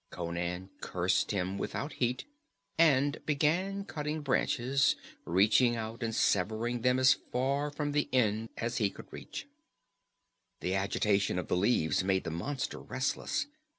Conan cursed him without heat, and began cutting branches, reaching out and severing them as far from the end as he could reach. The agitation of the leaves made the monster restless.